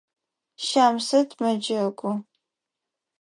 Щамсэт мэджэгу.